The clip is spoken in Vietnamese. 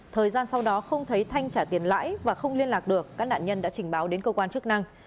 thời gian sau đó không thấy thanh trả tiền lãi và không liên lạc được các nạn nhân đã trình báo đến cơ quan chức năng